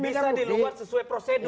korupsi itu bisa diluat sesuai prosedur